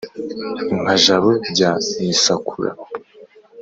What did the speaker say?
nka jabo rya misakura.